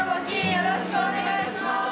よろしくお願いします。